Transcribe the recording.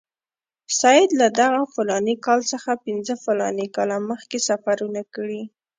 سید له دغه فلاني کال څخه پنځه فلاني کاله مخکې سفرونه کړي.